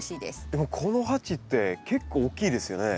でもこの鉢って結構大きいですよね。